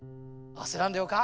あせらんでよか。